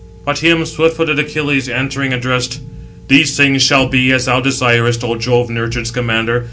But him swift footed Achilles, answering, addressed: "These things shall be as thou desirest, O Jove nurtured Scamander.